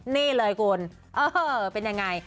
นี่เลยคุณเออเป็นยังไง